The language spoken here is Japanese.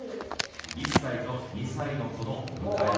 １歳と２歳の子のお迎えだ。